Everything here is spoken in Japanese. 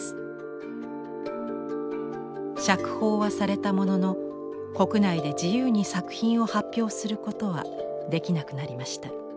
釈放はされたものの国内で自由に作品を発表することはできなくなりました。